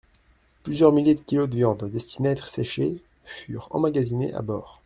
Plusieurs milliers de kilos de viande, destinée à être séchée, furent emmagasinés à bord.